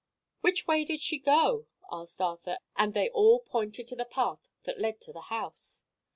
"Which way did she go?" asked Arthur, and they all pointed to the path that led to the house.